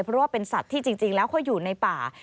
เพราะว่าเป็นสัตว์ที่จริงแล้วเขาอยู่ในป่า